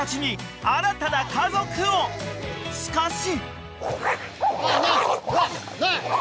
［しかし］